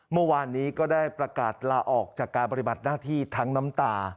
เมื่อวานนี้ก็ได้ประกาศลาออกจากการปฏิบัติหน้าที่ทั้งน้ำตา